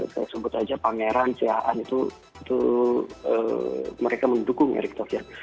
saya sebut aja pangeran caa itu mereka mendukung eric thauhir